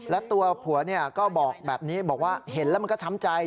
และตัวผัวก็บอกแบบนี้บอกว่าเห็นแล้วมันก็ช้ำใจ